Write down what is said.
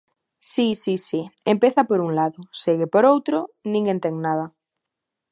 Si, si, si, empeza por un lado, segue por outro, ninguén ten nada.